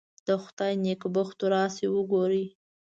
د خدای نېکبختو راشئ وګورئ.